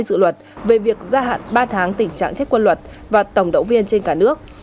hai dự luật về việc gia hạn ba tháng tình trạng thiết quân luật và tổng động viên trên cả nước